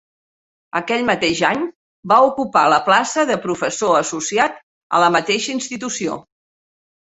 Aquell mateix any va ocupar la plaça de professor associat a la mateixa institució.